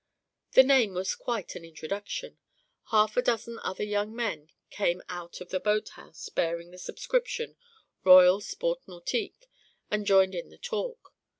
The name was quite an introduction. Half a dozen other young men came out of a boat house bearing the superscription ROYAL SPORT NAUTIQUE, and joined in the talk.